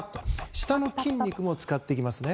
舌の筋肉も使っていきますね。